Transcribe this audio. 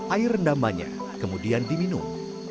air rendam banyak kemudian diminum